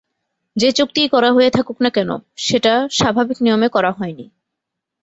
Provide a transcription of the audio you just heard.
যে চুক্তিই করা হয়ে থাকুক না কেন, সেটা স্বাভাবিক নিয়মে করা হয়নি।